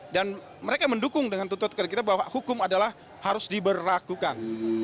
dan mereka mendukung dengan tututan kita bahwa hukum adalah harus diberlakukan